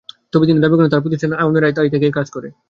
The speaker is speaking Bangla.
তবে তিনি দাবি করেন, তাঁর প্রতিষ্ঠান আইনের আওতায় থেকেই কাজ করে।